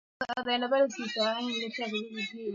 Liandikwalo ndiyo liwalo